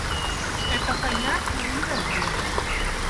Это понятно и разумно.